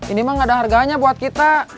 ini mah gak ada harganya buat kita